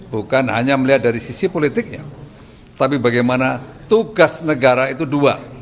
bukan hanya melihat dari sisi politiknya tapi bagaimana tugas negara itu dua